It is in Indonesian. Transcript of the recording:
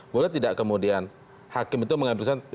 boleh tidak kemudian hakim itu mengambil keputusan